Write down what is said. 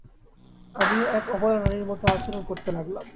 আমিও এক অবলা নারীর মত আচরণ করতে লাগলাম।